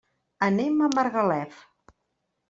Anem a Margalef.